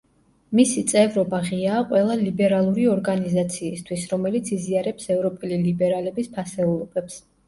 მისი წევრობა ღიაა ყველა ლიბერალური ორგანიზაციისთვის, რომელიც იზიარებს ევროპელი ლიბერალების ფასეულობებს.